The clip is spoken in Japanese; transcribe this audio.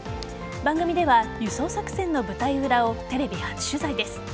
番組では輸送作戦の舞台裏をテレビ初取材です。